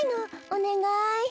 おねがい。